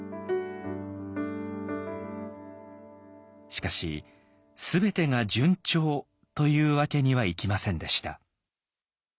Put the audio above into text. しかし全てが順調というわけにはいきませんでした。